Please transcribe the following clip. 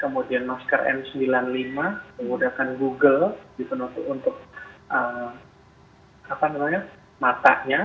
kemudian menggunakan face shield kemudian noscar n sembilan puluh lima menggunakan google untuk matanya